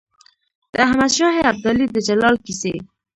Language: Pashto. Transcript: د احمد شاه ابدالي د جلال کیسې.